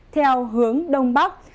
theo hướng đông bắc